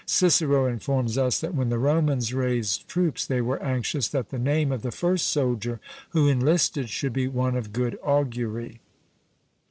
Cicero informs us that when the Romans raised troops, they were anxious that the name of the first soldier who enlisted should be one of good augury.